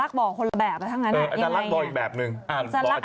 ลักษณ์บอกเขาแบบแล้วทั้งอะไรอย่างไรอาจารย์ลักษณ์